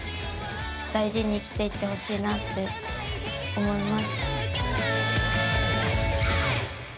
大事に生きていってほしいなと思います。